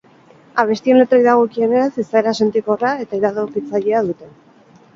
Abestien letrei dagokienez, izaera sentikorra eta iradokitzailea dute.